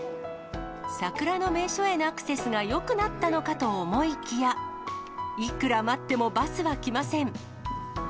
桜の名所へのアクセスがよくなったのかと思いきや、いくら待ってもバスは来ません。